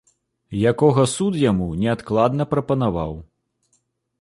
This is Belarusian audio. Якога суд яму неадкладна прапанаваў.